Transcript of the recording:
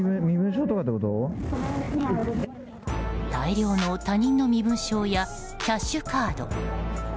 大量の他人の身分証やキャッシュカード。